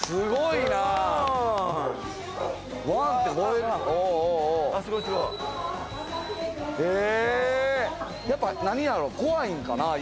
すごいな。